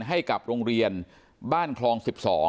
ให้กับโรงเรียนบ้านคลอง๑๒